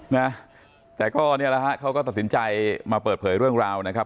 นะแต่ก็เนี่ยแหละฮะเขาก็ตัดสินใจมาเปิดเผยเรื่องราวนะครับ